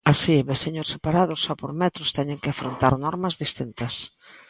Así, veciños separados só por metros teñen que afrontar normas distintas.